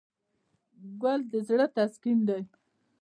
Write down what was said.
ګل د زړه تسکین دی.